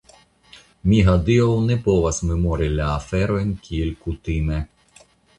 Mi hodiaŭ ne povas memori la aferojn kiel kutime.